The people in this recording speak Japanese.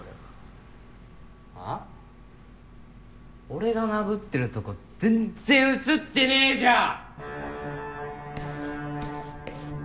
俺が殴ってるとこ全然映ってねえじゃん！